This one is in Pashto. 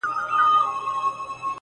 واوره ځمکه لنده کوي.